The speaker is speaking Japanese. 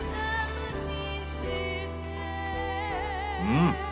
うん。